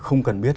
không cần biết